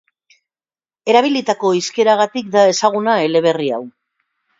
Erabilitako hizkeragatik da ezaguna eleberri hau.